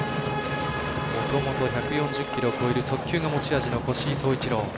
もともと１４０キロを超える速球が持ち味の越井颯一郎。